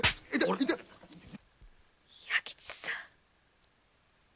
弥吉さん。